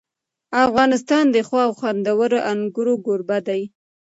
افغانستان د ښو او خوندورو انګورو کوربه دی.